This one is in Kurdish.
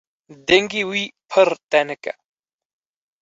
Dengê wî pir tenik e.